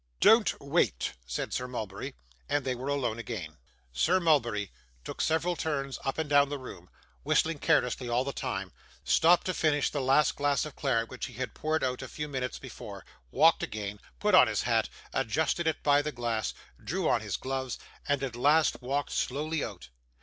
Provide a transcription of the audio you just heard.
'Don't wait,' said Sir Mulberry; and they were alone again. Sir Mulberry took several turns up and down the room, whistling carelessly all the time; stopped to finish the last glass of claret which he had poured out a few minutes before, walked again, put on his hat, adjusted it by the glass, drew on his gloves, and, at last, walked slowly out.